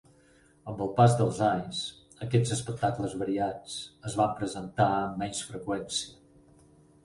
Amb el pas dels anys, aquests espectacles variats es van presentar amb menys freqüència.